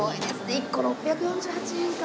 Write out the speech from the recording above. １個６４８円か。